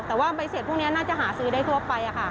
แต่ว่าใบเสร็จพวกนี้น่าจะหาซื้อได้ทั่วไปค่ะ